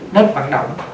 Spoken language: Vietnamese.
nếp vận động